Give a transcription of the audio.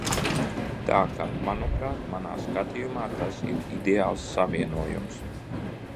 Tā ka, manuprāt, manā skatījumā, tas ir ideāls savienojums.